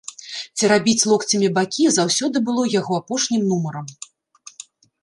Церабіць локцямі бакі заўсёды было яго апошнім нумарам.